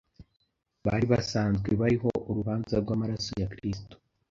Bari basanzwe bariho urubanza rw’amaraso ya Kristo,